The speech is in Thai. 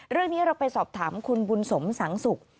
เรื่องนี้เราไปสอบถามคุณบุญสมสังสุข